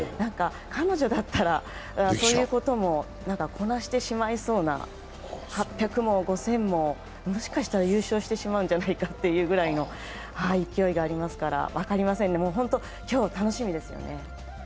彼女だったらそういうこともこなしてしまいそうな、８００も５０００も、もしかしたら優勝してしまうような勢いがありますから分かりませんね、今日楽しみですよね。